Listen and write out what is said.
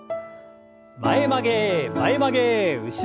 前曲げ前曲げ後ろ反り。